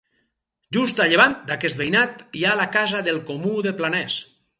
Just a llevant d'aquest veïnat hi ha la Casa del Comú de Planès.